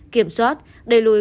kiểm soát đẩy lùi ca bệnh